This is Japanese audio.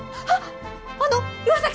あの岩崎様！？